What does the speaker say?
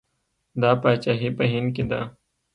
دا پاچاهي په هند کې ده.